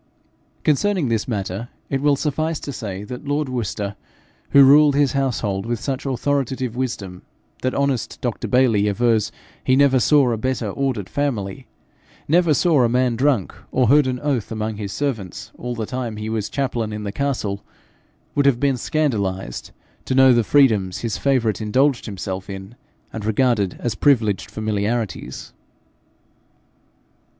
Concerning this matter, it will suffice to say that lord Worcester who ruled his household with such authoritative wisdom that honest Dr. Bayly avers he never saw a better ordered family never saw a man drunk or heard an oath amongst his servants, all the time he was chaplain in the castle, would have been scandalized to know the freedoms his favourite indulged himself in, and regarded as privileged familiarities.